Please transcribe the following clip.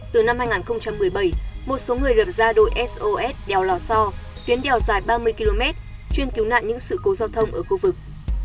từ năm hai nghìn một mươi bảy một số người lập ra đội sos đèo lò so tuyến đèo dài ba mươi km chuyên cứu nạn những sự cố giao thông ở khu vực